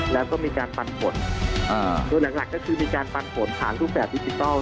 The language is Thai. แล้วก็มีการปันผลโดยหลักหลักก็คือมีการปันผลผ่านรูปแบบดิจิทัล